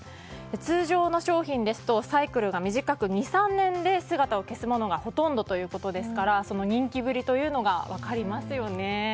通常の商品ですとサイクルが短く２３年で姿を消すものがほとんどということですからその人気ぶりが分かりますよね。